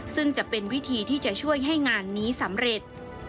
ซึ่งจะเป็นวิธีที่จะช่วยให้งานนี้สำเร็จ